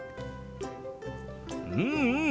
うんうん。